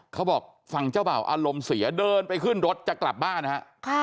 เขาบอกฝั่งเจ้าบ่าวอารมณ์เสียเดินไปขึ้นรถจะกลับบ้านนะฮะ